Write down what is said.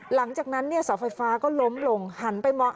หลังจากนั้นสาวไฟฟ้าก็ล้มลงหันไปมอง